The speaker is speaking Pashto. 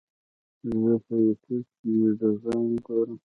زه په یوټیوب کې ویډیوګانې ګورم.